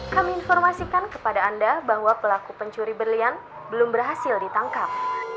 kami informasikan kepada anda bahwa pelaku pencuri berlian belum berhasil ditangkap